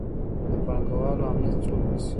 د پانګوالو امنیت څوک نیسي؟